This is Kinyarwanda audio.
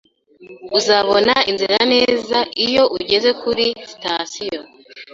Uzabona inzira neza iyo ugeze kuri sitasiyo